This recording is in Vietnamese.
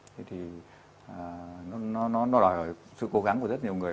thế thì nó đòi hỏi sự cố gắng của rất nhiều người